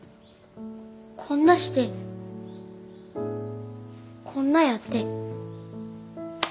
こんなしてこんなやって。